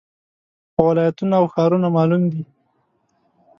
خو ولایتونه او ښارونه معلوم دي